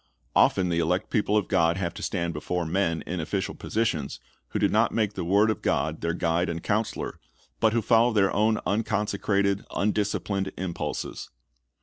Often the elect people of God have to stand before men in official positions, who do not make the word of God their guide and counselor, but who follow their own unconsecrated, undisciplined impulses.